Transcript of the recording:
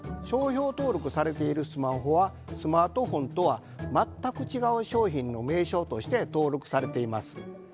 商標登録されている「スマホ」は「スマートフォン」とは全く違う商品の名称として登録されています。